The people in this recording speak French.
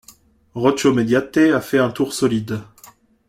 Rocco Mediate a fait un tour solide.